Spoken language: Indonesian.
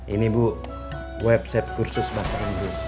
ini bu website kursus bahasa inggris